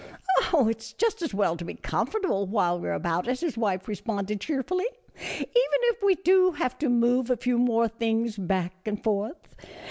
" Oh, it 's just as well to be comfortable, while we are about it," his wife responded, cheerfully, " even if we do have to move a few more things back and forth."